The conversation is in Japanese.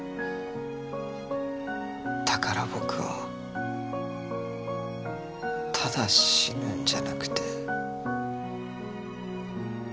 だから僕はただ死ぬんじゃなくて。